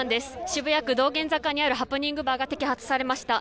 渋谷区道玄坂にあるハプニングバーが摘発されました。